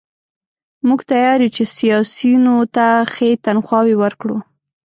موږ تیار یو چې سیاسیونو ته ښې تنخواوې ورکړو.